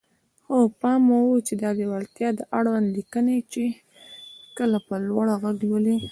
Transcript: خو پام مو وي د ليوالتيا اړوند ليکنه چې کله په لوړ غږ لولئ.